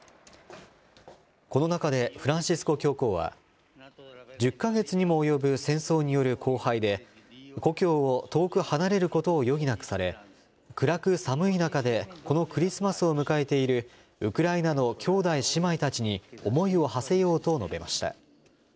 この中で、フランシスコ教皇は、１０か月にも及ぶ戦争による荒廃で、故郷を遠く離れることを余儀なくされ、暗く寒い中でこのクリスマスを迎えているウクライナの兄弟姉妹たちに思いをはせようと述べました。